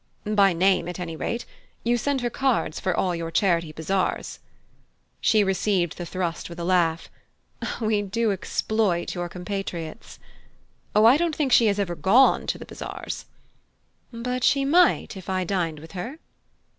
"By name, at any rate. You send her cards for all your charity bazaars." She received the thrust with a laugh. "We do exploit your compatriots." "Oh, I don't think she has ever gone to the bazaars." "But she might if I dined with her?"